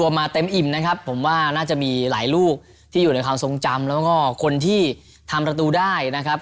มาเต็มอิ่มนะครับผมว่าน่าจะมีหลายลูกที่อยู่ในความทรงจำแล้วก็คนที่ทำประตูได้นะครับ